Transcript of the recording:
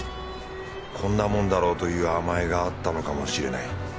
こんなもんだろうという甘えがあったのかもしれない。